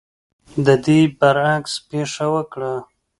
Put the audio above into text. د دې برعکس پېښه وکړه.